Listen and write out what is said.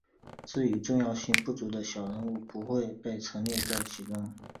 至于重要性不足的小人物不会被陈列其中。